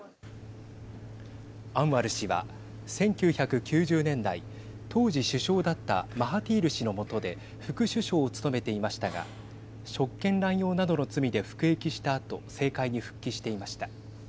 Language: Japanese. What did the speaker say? アンワル氏は１９９０年代当時、首相だったマハティール氏のもとで副首相を務めていましたが職権乱用などの罪で服役したあと政界に復帰していました。